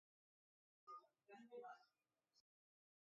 La asistencia a los centros educativos es de lunes a viernes.